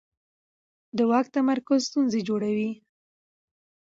د واک تمرکز ستونزې جوړوي